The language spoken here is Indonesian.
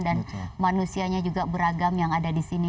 dan manusianya juga beragam yang ada di sini